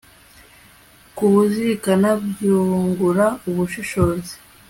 kubuzirikana byungura ubushishozi